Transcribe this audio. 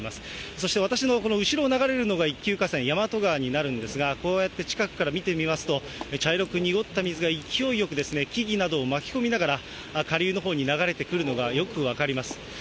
そして私のこの後ろを流れるのが一級河川、大和川になるんですが、こうやって近くから見てみますと、茶色く濁った水が勢いよく木々などを巻き込みながら、下流のほうに流れてくるのがよく分かります。